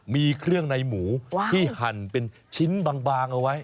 มีเครื่องในหมูที่หั่นเป็นชิ้นบางเอาไว้